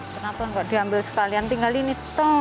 kenapa gak diambil sekalian tinggal ini